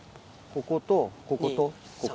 こことこことここ。